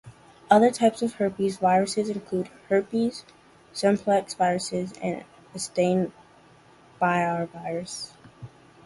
Other types of herpes viruses include herpes simplex viruses and Epstein-Barr virus.